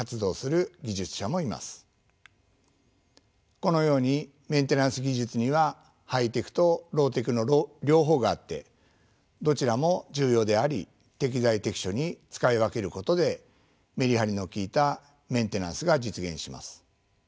このようにメンテナンス技術にはハイテクとローテクの両方があってどちらも重要であり適材適所に使い分けることでメリハリの利いたメンテナンスが実現します。